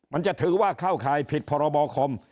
มันจะถือว่าเข้าข่ายผิดพรบคม